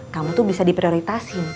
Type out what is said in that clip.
kamu tuh bisa diprioritasi